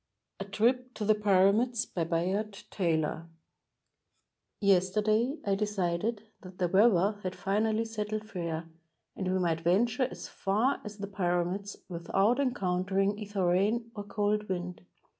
A TRIP TO THE PYRAMIDS BY BAYARD TAYLOR Yesterday I decided that the weather had finally set tled fair, and we might venture as far as the Pyramids without encountering either rain or cold wind.